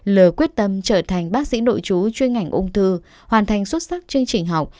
lờ quyết tâm trở thành bác sĩ nội chú chuyên ngành ung thư hoàn thành xuất sắc chương trình học